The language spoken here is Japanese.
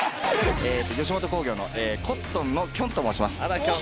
吉本興業のコットンのきょんと申します。